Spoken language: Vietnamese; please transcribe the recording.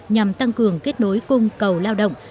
nhằm tăng cường kết nối cung cầu lao động